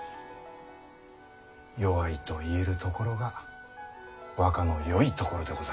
弱いと言えるところが若のよいところでござる。